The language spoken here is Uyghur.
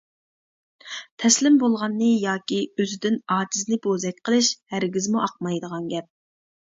تەسلىم بولغاننى ياكى ئۆزىدىن ئاجىزنى بوزەك قىلىش ھەرگىزمۇ ئاقمايدىغان گەپ.